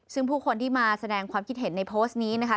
ซึ่งผู้คนที่มาแสดงความคิดเห็นในโพสต์นี้นะคะ